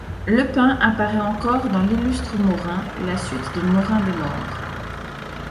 Le pin apparaît encore dans L'Illustre Maurin, la suite de Maurin des Maures.